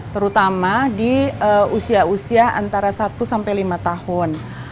terutama di usia usia antara satu sampai lima tahun